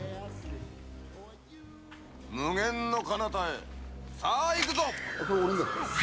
無限の彼方へさあ行くぞ！